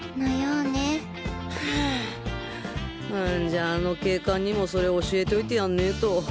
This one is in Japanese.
じゃああの警官にもそれ教えといてやんねと。